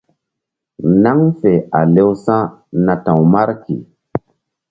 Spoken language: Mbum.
Naŋ fe a lewsa̧ na ta̧w Marki.